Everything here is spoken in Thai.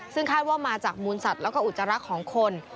ซึ่งคาดว่ามาจากมูลสัตว์แล้วก็อุจจาระของคน